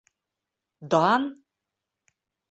Дан?!